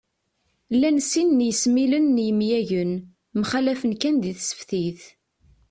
Llan sin n yesmilen n yemyagen, mxallafen kan di tseftit